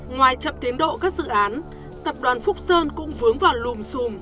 ngoài chậm tiến độ các dự án tập đoàn phúc sơn cũng vướng vào lùm xùm